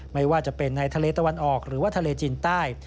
ไม่ว่าจะเป็นในทะเลตะวันออกหรือว่าทะเลจีนใต้